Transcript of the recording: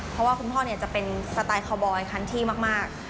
เพราะว่าคุณพ่อจะเป็นสไตล์คอลบอยคันทรีมาก